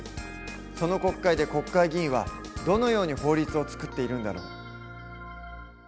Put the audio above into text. その国会で国会議員はどのように法律を作っているんだろう？